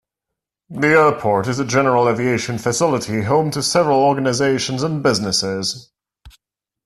The airport is a general aviation facility home to several organizations and businesses.